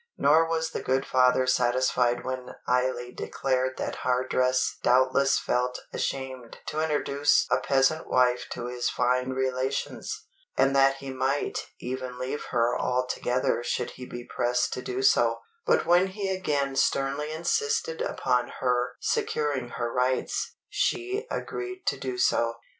Nor was the good father satisfied when Eily declared that Hardress doubtless felt ashamed to introduce a peasant wife to his fine relations, and that he might even leave her altogether should he be pressed to do so; but when he again sternly insisted upon her securing her rights, she agreed to do so.